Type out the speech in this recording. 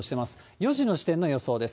４時の時点の予想です。